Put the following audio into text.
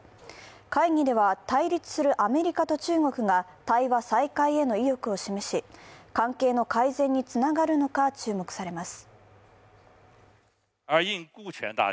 会議では対立するアメリカと中国が対話再開への意欲を示し、関係の改善につながるのか注目されます。